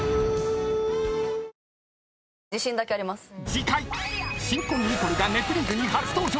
［次回新婚ニコルが『ネプリーグ』に初登場！］